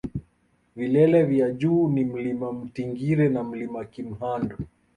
vilele vya juu ni mlima mtingire na mlima kimhandu